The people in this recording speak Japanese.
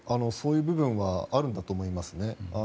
そういう部分はあるんだと思いますね。